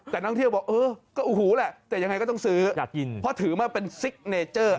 แต่นักท่องเที่ยวบอกเออก็โอ้โหแหละแต่ยังไงก็ต้องซื้ออยากกินเพราะถือมาเป็นซิกเนเจอร์